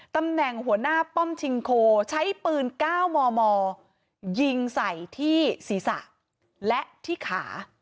ตำแหน่งหัวหน้าป้อมชิงโคใช้ปืน๙มมยิงใส่ที่ศีรษะและที่ขา